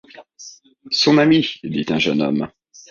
Son ami ! dit un jeune homme.